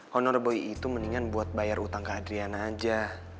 honor boy itu mendingan buat bayar utang ke adriana aja